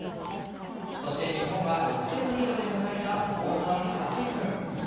そして日本が６点リードで迎えた後半８分。